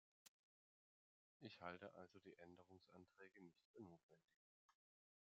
Ich halte also die Änderungsanträge nicht für notwendig.